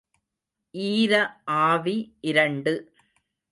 ஈர ஆவி, இரண்டு.